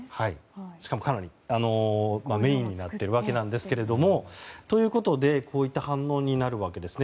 しかもかなり、メインになっているわけですけれどもということで、こういった反応になるわけですね。